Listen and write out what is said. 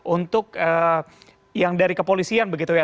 untuk yang dari kepolisian begitu ya